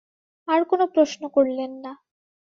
আর কোনো প্রশ্ন করলেন না।